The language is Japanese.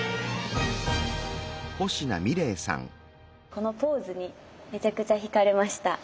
このポーズにめちゃくちゃひかれました。